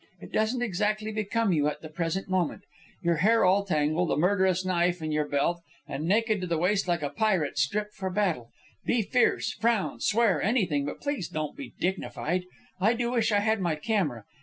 It doesn't exactly become you at the present moment, your hair all tangled, a murderous knife in your belt, and naked to the waist like a pirate stripped for battle. Be fierce, frown, swear, anything, but please don't be dignified. I do wish I had my camera.